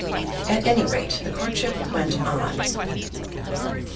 At any rate the courtship went on.